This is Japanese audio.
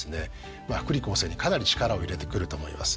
福利厚生にかなり力を入れてくると思います。